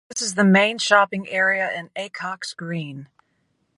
This is the main shopping area in Acocks Green.